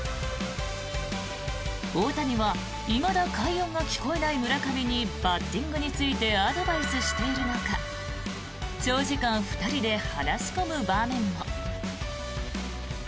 大谷はいまだ快音が聞こえない村上にバッティングについてアドバイスしているのか長時間、２人で話し込む場面も。